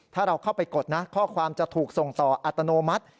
ถ้าเราเข้าไปกดนะข้อความจะถูกส่งต่ออัตโนมัติ